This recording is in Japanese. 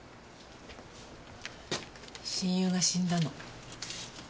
親友が死んだの。